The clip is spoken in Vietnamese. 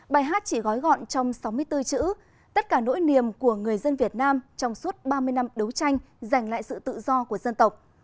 bài hát chỉ gói gọn trong sáu mươi bốn chữ tất cả nỗi niềm của người dân việt nam trong suốt ba mươi năm đấu tranh giành lại sự tự do của dân tộc